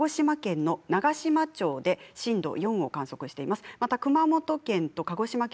鹿児島県の長島町で震度４を観測しています。